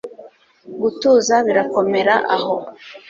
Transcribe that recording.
Gutuza birakomera aho